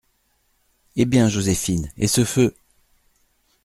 Eh bien, Joséphine, et ce feu ?…